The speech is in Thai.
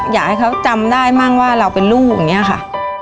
อยากให้เขาจำได้มั่งว่าเราเป็นลูกอย่างนี้ค่ะ